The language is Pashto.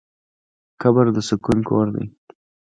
قبر د سکون کور دی.